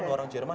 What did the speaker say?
orang jerman ya